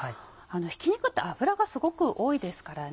ひき肉って脂がすごく多いですからね。